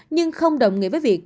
nhưng không đồng nghĩa với việc